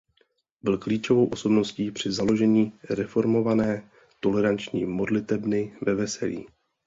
Byl klíčovou osobností při založení reformované toleranční modlitebny ve Veselí.